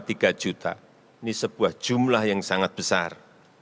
ini sebuah jumlah yang sangat besar